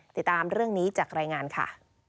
ติดตามเรื่องนี้จากรายงานค่ะ